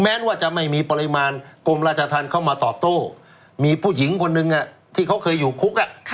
แม้ว่าจะไม่มีปริมาณกรมราชธรรมเข้ามาตอบโต้มีผู้หญิงคนนึงที่เขาเคยอยู่คุก